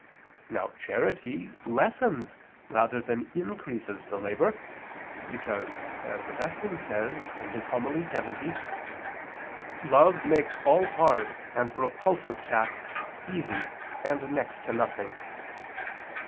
Now charity lessens rather than increases the labor, because as Augustine says (De Verbis Dom., Serm. lxx), "love makes all hard and repulsive tasks easy and next to nothing."